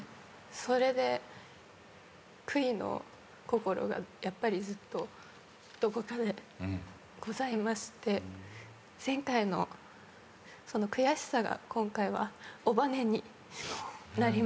それで悔いの心がやっぱりずっとどこかでございまして前回のその悔しさが今回はおばねになりました。